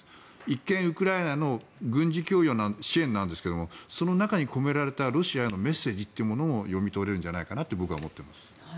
一見、ウクライナの軍事供与の支援なんですけどその中に込められたロシアへのメッセージというものも読み取れるんじゃないかなと僕は思っています。